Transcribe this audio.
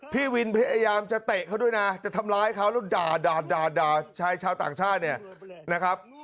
พี่วินพยายามจะเตะเขาด้วยนะจะทำร้ายเขาแล้วด่าด่าชายชาวต่างชาติเนี่ยนะครับ